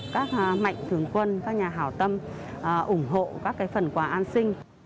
các mệnh thường quân các nhà hảo tâm ủng hộ các cái phần quả an sinh